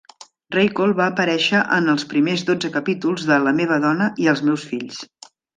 Raycole va aparèixer en els primers dotze capítols de "La meva dona i els meus fills".